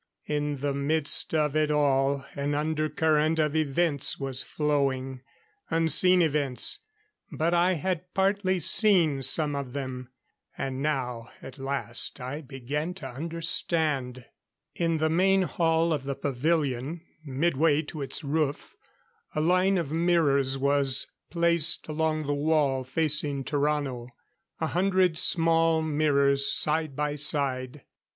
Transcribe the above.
In the midst of it all, an undercurrent of events was flowing. Unseen events but I had partly seen some of them, and now, at last, I began to understand. In the main hall of the pavilion, midway to its roof, a line of mirrors was placed along the wall facing Tarrano. A hundred small mirrors, side by side.